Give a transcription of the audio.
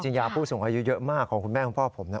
ยาผู้สูงอายุเยอะมากของคุณแม่ของพ่อผมนะ